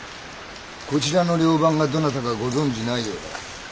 こちらの寮番がどなたかご存じないようだ。